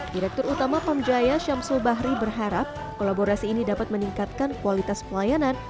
direktur utama pamjaya syamsul bahri berharap kolaborasi ini dapat meningkatkan kualitas pelayanan